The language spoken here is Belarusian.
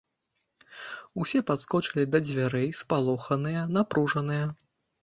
Усе падскочылі да дзвярэй, спалоханыя, напружаныя.